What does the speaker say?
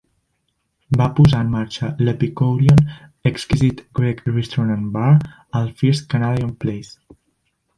Va posar en marxa l'"Epikourion, Exquisite Greek Restaurant and Bar" al First Canadian Place.